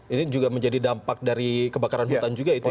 ini juga menjadi dampak dari kebakaran hutan juga itu ya